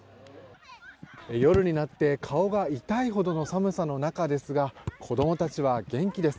夜になって顔が痛いほどの寒さの中ですが子どもたちは元気です。